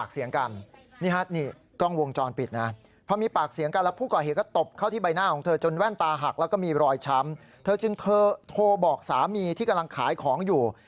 สามีที่กำลังขายของอยู่